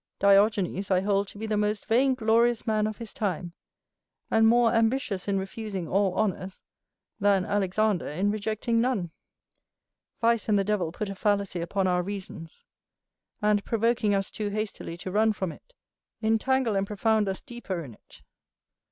Diogenes I hold to be the most vainglorious man of his time, and more ambitious in refusing all honours, than Alexander in rejecting none. Vice and the devil put a fallacy upon our reasons; and, provoking us too hastily to run from it, entangle and profound us deeper in it.